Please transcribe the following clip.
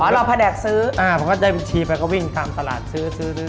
อ๋อรอพะแดกซื้ออ่าผมก็ได้บุคทิศไปก็วิ่งตามตลาดซื้อ